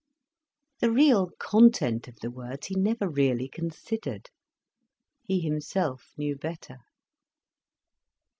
The real content of the words he never really considered: he himself knew better.